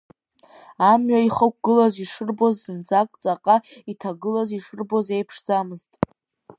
Амҩа ихықәгылаз ишырбоз зынӡак ҵаҟа иҭагылаз ишырбоз еиԥшӡамызт.